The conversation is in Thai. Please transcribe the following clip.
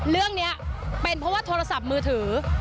เรื่องนี้เป็นเพราะว่าโทรศัพท์มือถือ